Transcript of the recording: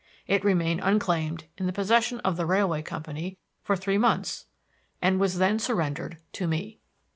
It remained unclaimed in the possession of the railway company for three months, and was then surrendered to me."